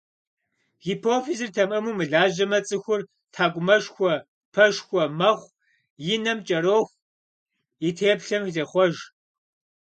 Гипофизыр тэмэму мылажьэмэ, цӀыхур тхьэкӀумэшхуэ, пэшхуэ, мэхъу, и нэм кӀэроху, и теплъэм зехъуэж.